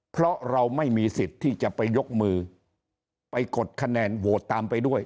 เพราะเราไม่มีสิทธิ์ที่จะไปยกมือไปกดคะแนนโหวตตามไปด้วย